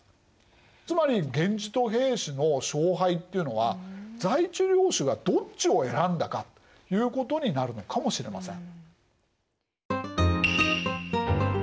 つまり源氏と平氏の勝敗っていうのは在地領主がどっちを選んだかということになるのかもしれません。